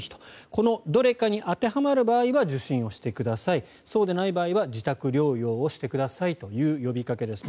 このどれかに当てはまる場合は受診してくださいそうでない場合は自宅療養をしてくださいという呼びかけです。